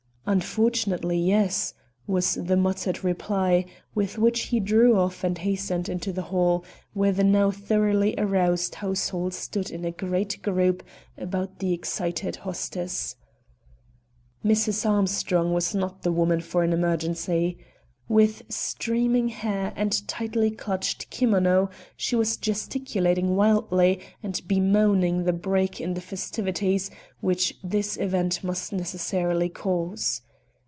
"Unfortunately, yes," was the muttered reply, with which he drew off and hastened into the hall, where the now thoroughly aroused household stood in a great group about the excited hostess. Mrs. Armstrong was not the woman for an emergency. With streaming hair and tightly clutched kimono, she was gesticulating wildly and bemoaning the break in the festivities which this event must necessarily cause.